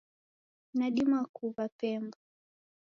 Nadima kuwa pemba